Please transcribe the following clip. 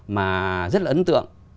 mà rất là ấn tượng